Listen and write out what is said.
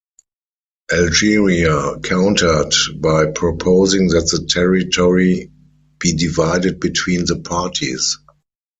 Algeria countered by proposing that the territory be divided between the parties.